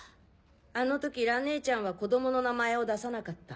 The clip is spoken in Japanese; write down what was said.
あの時蘭姉ちゃんは子供の名前を出さなかった。